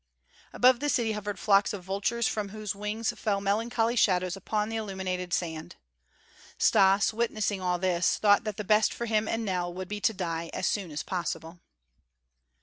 Above the city hovered flocks of vultures from whose wings fell melancholy shadows upon the illuminated sand. Stas, witnessing all this, thought that the best for him and Nell would be to die as soon as possible.